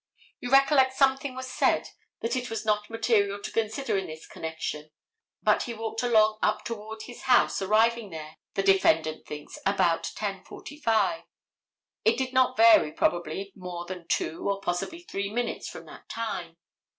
You recollect something was said that it is not material to consider in this connection, but he walked along up toward his house, arriving there, the defendant thinks, about 10:45. It did not vary, probably, more than two, or possibly three minutes from that time.